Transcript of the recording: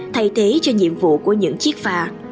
thay thế cho nhiệm vụ của những chiếc phà